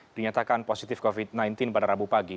dinyatakan positif covid sembilan belas pada rabu pagi